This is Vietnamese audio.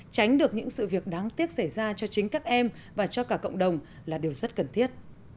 tránh được những sự việc đáng tiếc xảy ra cho chính các em và cho cả cộng đồng là điều rất cần thiết